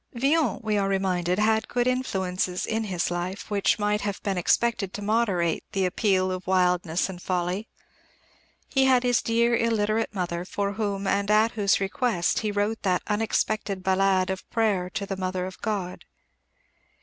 Villon, we are reminded, had good influences in his life, which might have been expected to moderate the appeal of wildness and folly. He had his dear, illiterate mother, for whom, and at whose request, he wrote that unexpected ballade of prayer to the Mother of God.